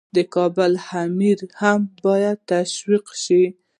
د کابل امیر هم باید تشویق شي.